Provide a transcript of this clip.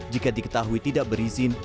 jika diketahui tidak berizin